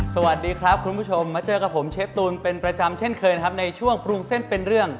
สวัสดีครับคุณผู้ชมมาเจอกับผมเชฟตูนเป็นประจำเช่นเคยนะครับในช่วงปรุงเส้นเป็นเรื่อง